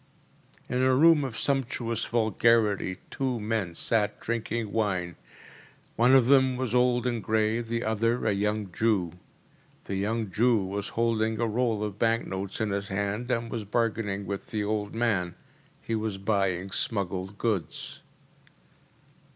‚ÄĚ In a room of sumptuous vulgarity two men sat drinking wine. One of them was old and grey, the other a young Jew. The young Jew was holding a roll of bank notes in his hand, and was bargaining with the old man. He was buying smuggled goods.